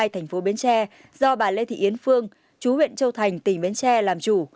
thành phố bến tre do bà lê thị yến phương chú huyện châu thành tỉnh bến tre làm chủ